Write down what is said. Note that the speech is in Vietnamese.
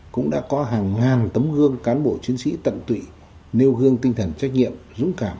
cũng đã có hàng ngàn tấm gương cán bộ chiến sĩ tận tụy nêu gương tinh thần trách nhiệm dũng cảm